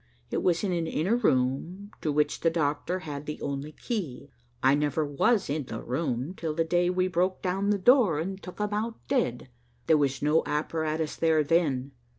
It was in an inner room to which the doctor had the only key. I never was in the room till the day we broke down the door and took him out dead. There was no apparatus there then.